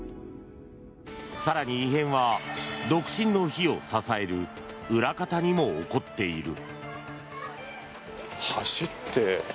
更に、異変は独身の日を支える裏方にも起こっている。